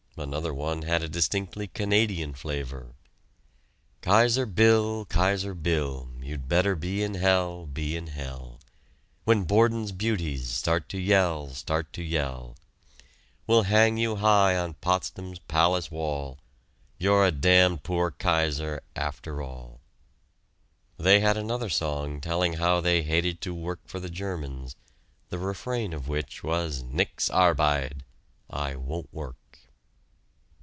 Another one had a distinctly Canadian flavor: "Kaiser Bill, Kaiser Bill, you'd better be in hell, be in hell! When Borden's beauties start to yell, start to yell, We'll hang you high on Potsdam's palace wall You're a damned poor Kaiser after all." They had another song telling how they hated to work for the Germans, the refrain of which was "Nix arbide" (I won't work).